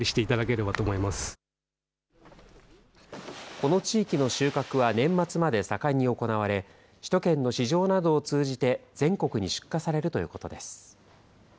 この地域の収穫は年末まで盛んに行われ、首都圏の市場などを通じて、全国に出荷されるということです。